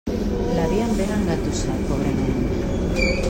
L'havien ben engatussat, pobre nen.